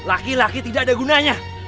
laki laki tidak ada gunanya